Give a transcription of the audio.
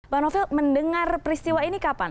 banovel mendengar peristiwa ini kapan